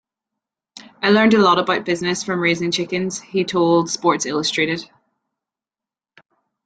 "I learned a lot about business from raising chickens," he told Sports Illustrated.